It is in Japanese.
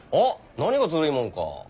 何がずるいもんか。